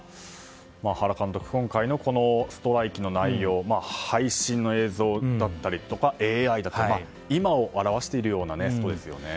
原監督、今回のストライキの内容配信映像だったりＡＩなど今を表しているようなことですよね。